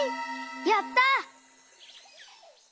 やった！